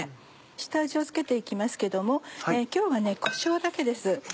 下味を付けて行きますけども今日はねこしょうだけです。